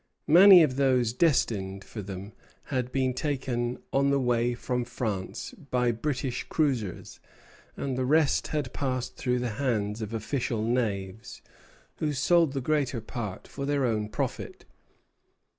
Many of those destined for them had been taken on the way from France by British cruisers, and the rest had passed through the hands of official knaves, who sold the greater part for their own profit.